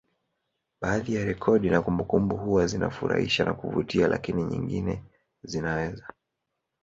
Baadhi ya rekodi na kumbukumbu huwa zinafurahisha na kuvutia lakini nyingine zinaweza